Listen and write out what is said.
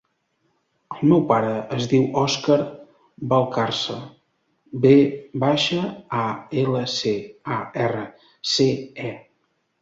El meu pare es diu Òscar Valcarce: ve baixa, a, ela, ce, a, erra, ce, e.